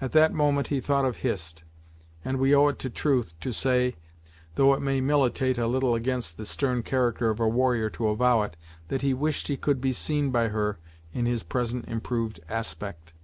At that moment he thought of Hist, and we owe it to truth, to say, though it may militate a little against the stern character of a warrior to avow it, that he wished he could be seen by her in his present improved aspect.